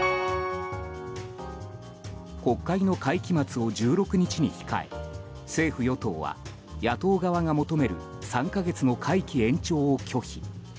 国会の会期末を１６日に控え政府・与党は野党側が求める３か月の会期延長を拒否。